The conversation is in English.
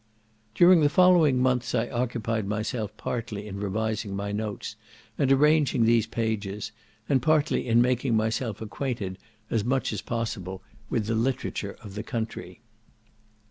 During the following months I occupied myself partly in revising my notes, and arranging these pages; and partly in making myself acquainted, as much as possible, with the literature of the country.